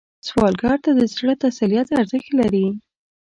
سوالګر ته د زړه تسلیت ارزښت لري